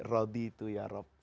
rodi itu ya rob